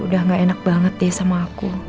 udah gak enak banget deh sama aku